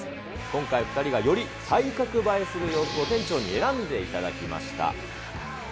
今回、２人はより体格映えする洋服を店長に選んでいただきました。